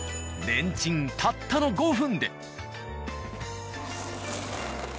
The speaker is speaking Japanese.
レンチンたったの５分で。